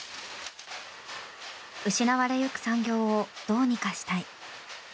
失われゆく産業をどうにかしたい。